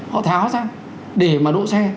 họ tháo ra để mà đỗ xe